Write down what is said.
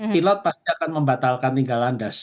pilot pasti akan membatalkan tinggal landas